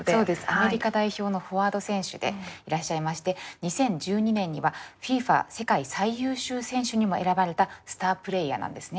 アメリカ代表のフォワード選手でいらっしゃいまして２０１２年にはＦＩＦＡ世界最優秀選手にも選ばれたスタープレーヤーなんですね。